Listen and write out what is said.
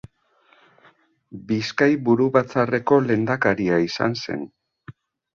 Bizkai Buru Batzarreko lehendakaria izan zen.